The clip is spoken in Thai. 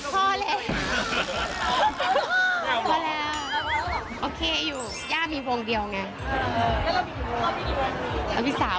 พอเลยพอแล้วโอเคอยู่ย่ามีวงเดียวไงเกี่ยวเรามีกี่วง